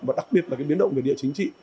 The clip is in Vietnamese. và đặc biệt là cái biến động về địa chính trị